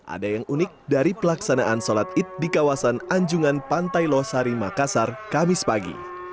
ada yang unik dari pelaksanaan sholat id di kawasan anjungan pantai losari makassar kamis pagi